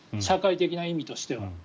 社会的な意味としては。